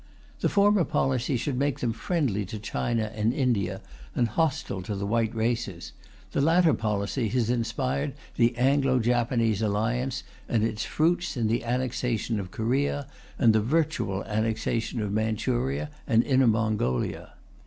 The former policy should make them friendly to China and India and hostile to the white races; the latter policy has inspired the Anglo Japanese Alliance and its fruits in the annexation of Korea and the virtual annexation of Manchuria and Inner Mongolia.